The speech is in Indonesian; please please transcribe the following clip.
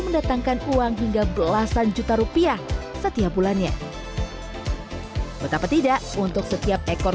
mendatangkan uang hingga belasan juta rupiah setiap bulannya betapa tidak untuk setiap ekor